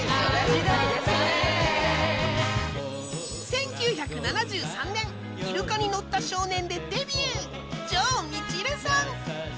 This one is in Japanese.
１９７３年『イルカにのった少年』でデビュー城みちるさん